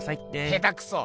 下手くそ！